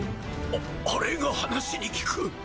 ああれが話に聞く。